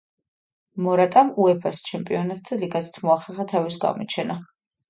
მორატამ უეფა-ს ჩემპიონთა ლიგაზეც მოახერხა თავის გამოჩენა.